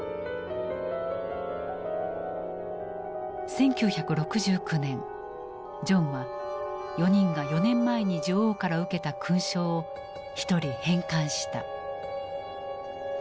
１９６９年ジョンは４人が４年前に女王から受けた勲章を一人返還した。